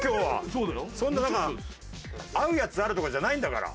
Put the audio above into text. そんな合うやつあるとかじゃないんだから。